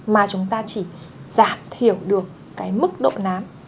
mà chúng ta chỉ giảm thiểu được cái mức độ làm